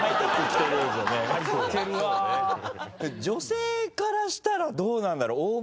女性からしたらどうなんだろう？